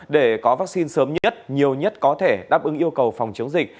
để có vaccine sớm nhất nhiều nhất có thể đáp ứng yêu cầu phòng chống dịch